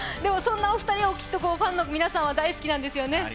そんなお二人をファンの皆様は大好きなんですよね。